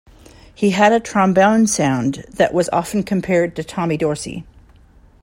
He had a trombone sound that was often compared to Tommy Dorsey.